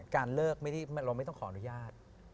การเลิกเราไม่ต้องขออนุญาต